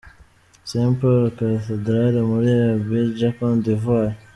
St Paul’s Cathedral muri Abidjan, Cote D’Ivoire.